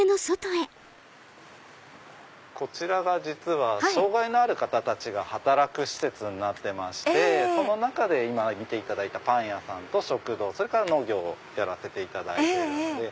こちらが実は障がいのある方が働く施設になってましてその中で今見ていただいたパン屋さんと食堂それから農業をやらせていただいてるんで。